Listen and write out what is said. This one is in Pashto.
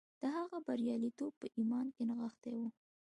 د هغه برياليتوب په ايمان کې نغښتی و.